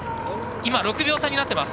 ６秒差になっています。